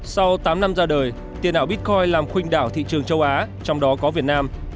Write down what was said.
sau tám năm ra đời tiền ảo bitcoin làm khuyên đảo thị trường châu á trong đó có việt nam